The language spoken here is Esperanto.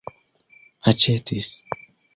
aĉetis